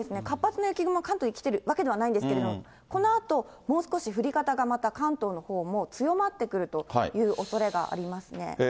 活発な雪雲、関東に来てるわけではないんですけれども、このあと、もう少し降り方が、関東のほうも強まってくるというおそれがありますね。